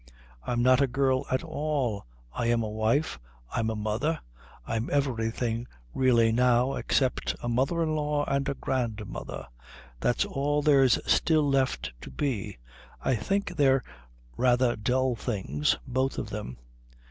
"I'm not a girl at all. I'm a wife, I'm a mother. I'm everything really now except a mother in law and a grandmother. That's all there's still left to be. I think they're rather dull things, both of them."